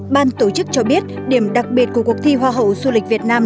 ban tổ chức cho biết điểm đặc biệt của cuộc thi hoa hậu du lịch việt nam